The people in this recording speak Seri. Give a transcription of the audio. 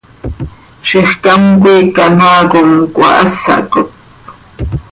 ¡Zixcám coi canoaa com cöhahásacot!